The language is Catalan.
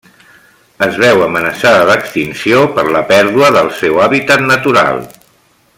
Es veu amenaçada d'extinció per la pèrdua del seu hàbitat natural.